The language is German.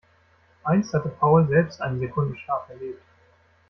Einst hatte Paul selbst einen Sekundenschlaf erlebt.